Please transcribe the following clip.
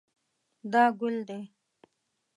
دا ګل دی